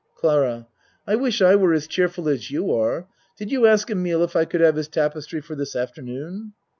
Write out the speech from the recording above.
CLARA I wish I were as cheerful as you are. Did you ask Emile if I could have his tapestry for this afternoon?